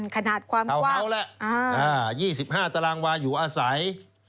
ขนาดความกว้างแหละ๒๕ตารางวาอยู่อาศัย